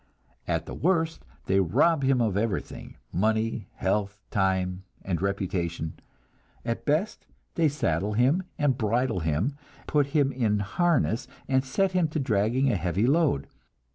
At the worst they rob him of everything, money, health, time and reputation; at best, they saddle him and bridle him, they put him in harness and set him to dragging a heavy load.